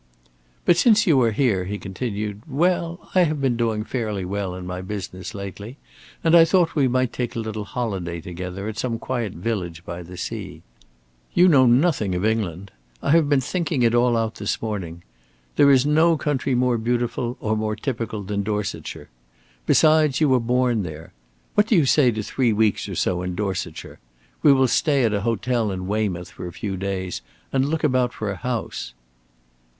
"But since you are here," he continued, "well I have been doing fairly well in my business lately, and I thought we might take a little holiday together, at some quiet village by the sea. You know nothing of England. I have been thinking it all out this morning. There is no country more beautiful or more typical than Dorsetshire. Besides, you were born there. What do you say to three weeks or so in Dorsetshire? We will stay at an hotel in Weymouth for a few days and look about for a house."